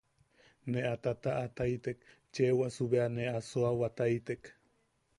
Ne a tataʼataitek cheewasu bea ne a suawaʼataitek.